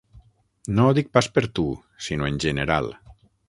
No ho dic pas per tu, sinó en general.